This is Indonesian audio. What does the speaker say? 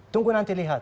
tunggu nanti lihat